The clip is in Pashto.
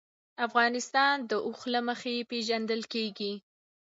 افغانستان د اوښ له مخې پېژندل کېږي.